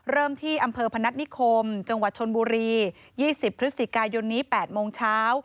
เริ่มที่อำเภอพนัฐนิคมจังหวัดชนบุรี๒๐พฤศจิกายนนี้๘โมงเช้า